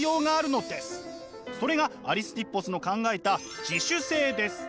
それがアリスティッポスの考えた「自主性」です。